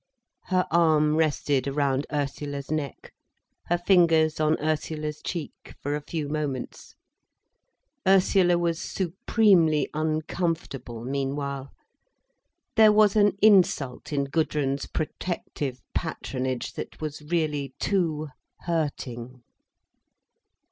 Her arm rested round Ursula's neck, her fingers on Ursula's cheek for a few moments. Ursula was supremely uncomfortable meanwhile. There was an insult in Gudrun's protective patronage that was really too hurting.